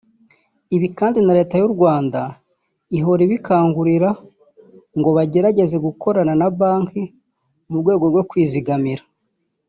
Ibi kandi na leta y’ u Rwanda ihora ibibakangurira ngo bagerageze gukorana na banki mu rwego rwo kwizigamira